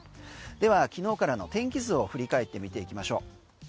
では昨日からの天気図を振り返って見ていきましょう。